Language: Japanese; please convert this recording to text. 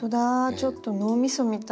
ちょっと脳みそみたい。